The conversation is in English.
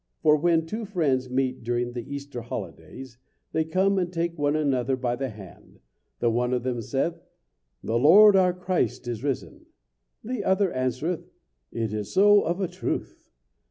For when two friends meet during the Easter holidays, they come and take one another by the hand; the one of them saith, 'The Lord, our Christ, is risen!' The other answereth, 'It is so of a truth!'